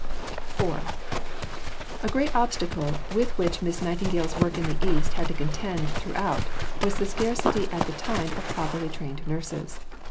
IV A great obstacle with which Miss Nightingale's work in the East had to contend throughout was the scarcity at the time of properly trained nurses.